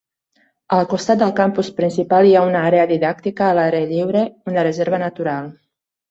Al costat del campus principal hi ha una àrea didàctica a l'aire lliure, una reserva natural.